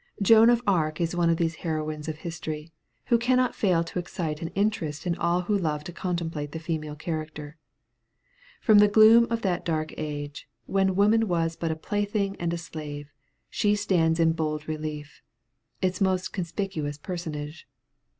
Joan of Arc is one of those heroines of history, who cannot fail to excite an interest in all who love to contemplate the female character. From the gloom of that dark age, when woman was but a plaything and a slave, she stands in bold relief, its most conspicuous personage.